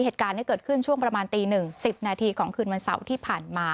เหตุการณ์เกิดขึ้นช่วงประมาณตี๑๐นาทีของคืนวันเสาร์ที่ผ่านมา